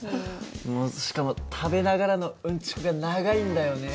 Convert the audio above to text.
もうしかも食べながらのうんちくが長いんだよね。